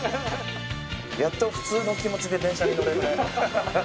やっと普通の気持ちで電車に乗れるね。